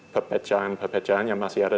pepecahan pepecahan yang masih ada